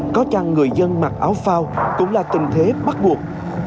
có chăng người dân mặc áo phao cũng là tình thế bắt buộc